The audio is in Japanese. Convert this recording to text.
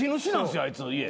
あいつの家。